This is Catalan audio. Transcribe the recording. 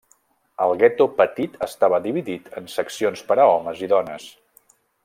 El gueto petit estava dividit en seccions per a homes i dones.